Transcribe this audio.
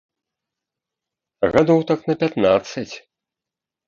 Гадоў так на пятнаццаць.